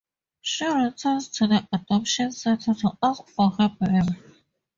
She returns to the adoption center to ask for her baby.